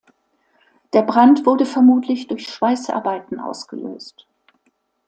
Der Brand wurde vermutlich durch Schweißarbeiten ausgelöst.